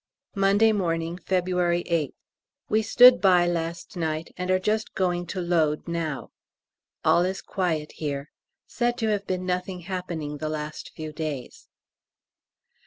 Monday morning, February 8th. We stood by last night, and are just going to load now. All is quiet here. Said to have been nothing happening the last few days.